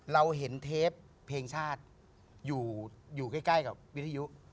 เราเห็นเทปเพลงชาติอยู่ใกล้กับวิทยุ